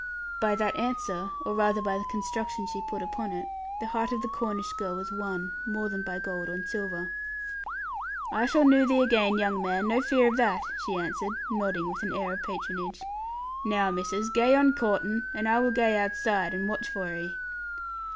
By that answer, or rather by the construction she put upon it, the heart of the Cornish girl was won, more than by gold and silver. 'I shall knoo thee again, young man; no fear of that,' she answered, nodding with an air of patronage. 'Now, missis, gae on coortin', and I wall gae outside and watch for 'ee.'